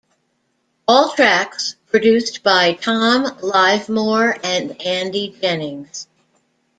All tracks produced by Tom Livemore and Andy Jennings.